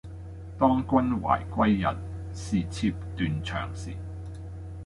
當君懷歸日，是妾斷腸時